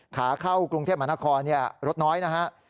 ขาเข้ากรุงเทพฯมครรถน้อยนะครับ